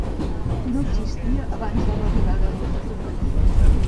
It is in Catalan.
No existia abans de l'arribada del ferrocarril.